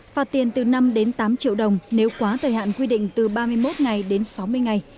phạt tiền từ năm đến tám triệu đồng nếu quá thời hạn quy định từ ba mươi một ngày đến sáu mươi ngày